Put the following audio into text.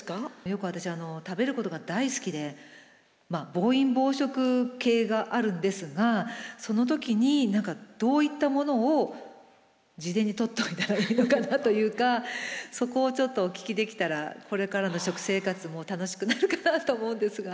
よく私食べることが大好きで暴飲暴食の気があるんですがその時にどういったものを事前にとっておいたらいいのかなというかそこをちょっとお聞きできたらこれからの食生活も楽しくなるかなと思うんですが。